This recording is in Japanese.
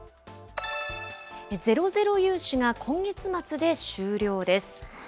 ゼロゼロ融資が今月末で終了です。